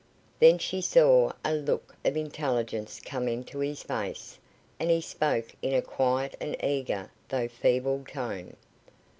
Then she saw a look of intelligence come into his face, and he spoke in a quiet and eager, though feeble tone.